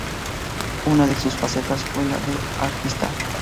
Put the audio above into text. Una de sus facetas fue la de artista.